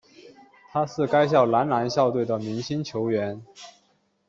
他是该校男篮校队的明星球员。